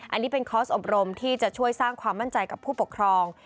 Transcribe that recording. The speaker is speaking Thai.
อันนี้เป็นคอร์สอบรมที่จะช่วยสร้างความมั่นใจกับผู้ปกครอง